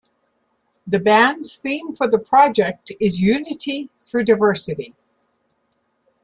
The band's theme for the project is "Unity Through Diversity".